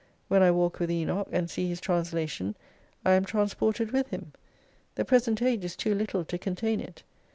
When I walk with Enoch, and see his trans lation, I am transpotted with him. The present age is too little to contain it.